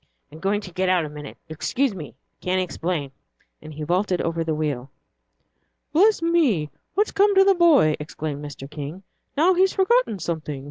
"I'm going to get out a minute excuse me can't explain." And he vaulted over the wheel. "Bless me, what's come to the boy!" exclaimed Mr. King; "now he's forgotten something.